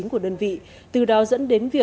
từ đó dẫn đến việc đổ ra một bộ phòng quỹ